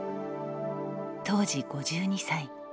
当時５２歳。